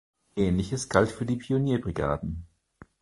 Ähnliches galt für die Pionierbrigaden.